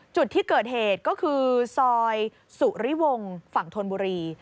จุดที่เกิดเหตุก็คือซอยสุริวงศ์ฝั่งธนบุรี